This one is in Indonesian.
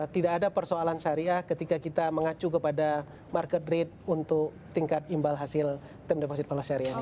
tidak ada persoalan syariah ketika kita mengacu kepada market rate untuk tingkat imbal hasil term deposit pola seri ini